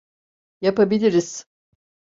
Yapabiliriz.